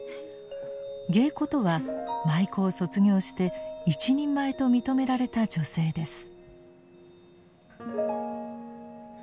芸妓とは舞妓を卒業して一人前と認められた女性です。